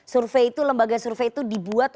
survei itu lembaga survei itu dibuat